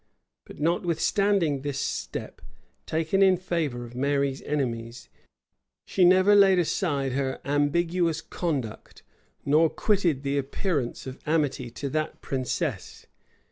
But notwithstanding this step, taken in favor of Mary's enemies, she never laid aside her ambiguous conduct, nor quitted the appearance of amity to that princess.